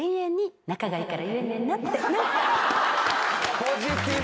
ポジティブ。